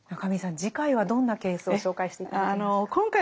次回はどんなケースを紹介して頂けますか？